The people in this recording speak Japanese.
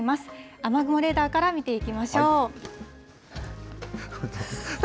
雨雲レーダーから見ていきましょう。